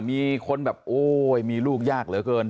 มีคนแบบโอ้ยมีลูกยากเหลือเกิน